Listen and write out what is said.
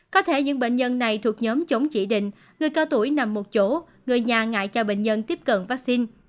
có thể những bệnh nhân này thuộc nhóm chống chỉ định người cao tuổi nằm một chỗ người nhà ngại cho bệnh nhân tiếp cận vaccine